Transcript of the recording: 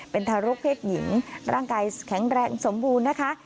เป็นทารกเพศหญิงร่างกายแข็งแรงสมบูรณ์นะคะ